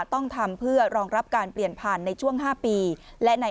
ต้องทำเพื่อรองรับการเปลี่ยนผ่านในช่วง๕ปีและใน